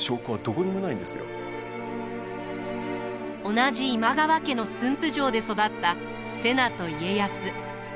同じ今川家の駿府城で育った瀬名と家康。